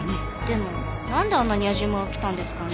でもなんであんなに野次馬が来たんですかね？